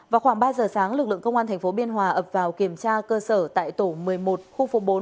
vào khoảng ba giờ sáng lực lượng công an tp biên hòa ập vào kiểm tra cơ sở tại tổ một mươi một khu phố bốn